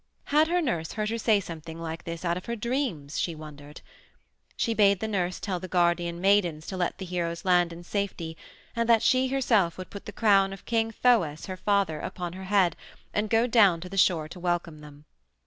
Had her nurse heard her say something like this out of her dreams, she wondered? She bade the nurse tell the guardian maidens to let the heroes land in safety, and that she herself would put the crown of King Thoas, her father, upon her head, and go down to the shore to welcome them.